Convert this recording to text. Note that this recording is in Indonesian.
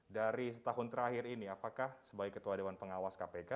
dari setahun terakhir ini apakah sebagai ketua dewan pengawas kpk